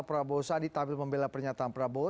prabowo sandi tampil membela pernyataan prabowo